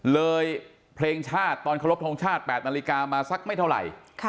เลยเพลงชาติตอนเคารพทงชาติ๘นาฬิกามาสักไม่เท่าไหร่